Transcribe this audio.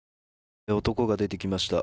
男が出てきました。